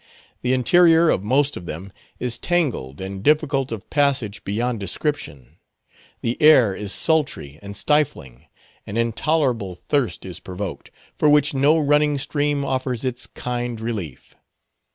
The interior of most of them is tangled and difficult of passage beyond description; the air is sultry and stifling; an intolerable thirst is provoked, for which no running stream offers its kind relief.